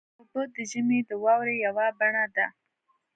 اوبه د ژمي د واورې یوه بڼه ده.